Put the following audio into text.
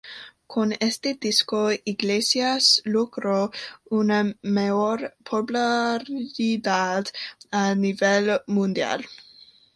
Con este disco Iglesias logró una mayor popularidad a nivel mundial.